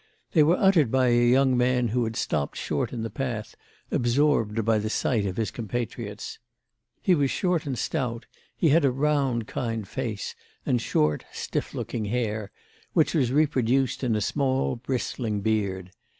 They were uttered by a young man who had stopped short in the path, absorbed by the sight of his compatriots. He was short and stout, he had a round kind face and short stiff looking hair, which was reproduced in a small bristling beard.